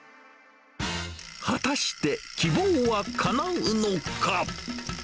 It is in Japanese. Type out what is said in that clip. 果たして、希望はかなうのか。